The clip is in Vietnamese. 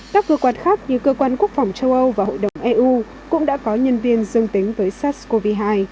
các cơ quan khác như cơ quan quốc phòng châu âu và hội đồng eu cũng đã có nhân viên dương tính với sars cov hai